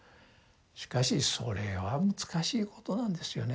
しかしそれは難しいことなんですよね。